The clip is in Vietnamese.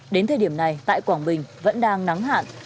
đến thời điểm này tại quảng bình vẫn đang nắng hạn